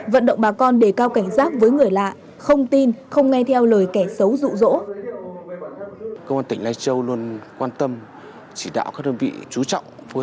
vận động bà con đề cao cảnh giác với người lạ không tin không nghe theo lời kẻ xấu rụ rỗ